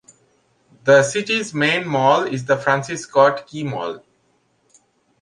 The city's main mall is the Francis Scott Key Mall.